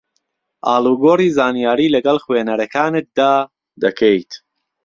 ئاڵوگۆڕی زانیاری لەگەڵ خوێنەرەکانتدا دەکەیت